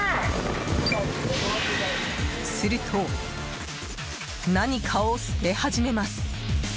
すると、何かを捨て始めます。